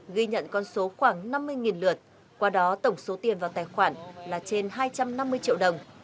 ghi nhận con số khoảng năm mươi lượt qua đó tổng số tiền vào tài khoản là trên hai trăm năm mươi triệu đồng